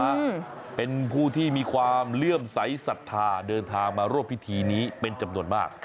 อืมเป็นผู้ที่มีความเลื่อมใสสัทธาเดินทางมาร่วมพิธีนี้เป็นจำนวนมาก